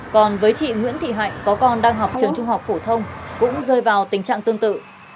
còn với chị nguyễn thị hạnh có con đang học trường trung học phổ thông cũng rơi vào tình trạng tương tự